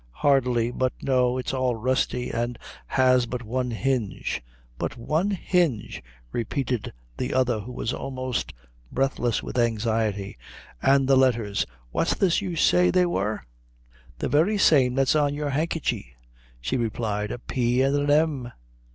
"Hardly; but no, it's all rusty, an' has but one hinge." "But one hinge!" repeated the other, who was almost breathless with anxiety; "an' the letthers what's this you say they wor?" "The very same that's on your handkerchy," she replied "a P. an' an M."